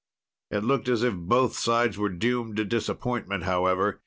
It looked as if both sides were doomed to disappointment, however.